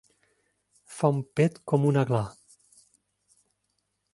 Fa un pet com un aglà.